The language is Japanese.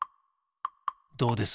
どうです？